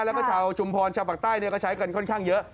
แล้วก็ชาวชุมพรชาวปากใต้ก็ใช้กันค่อนข้างเยอะ